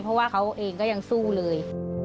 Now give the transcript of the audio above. เพราะว่าเขาเองก็ยังสู้เลย